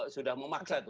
sudah memaksa itu